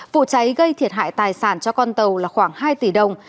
vụ cháy gây thiệt hại tài sản cho con tàu là khoảng hai tỷ đồng